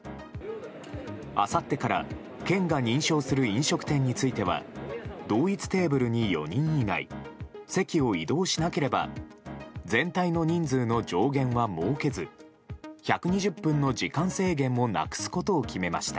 あさってから県が認証する飲食店については同一テーブルに４人以内席を移動しなければ全体の人数の上限は設けず１２０分の時間制限もなくすことを決めました。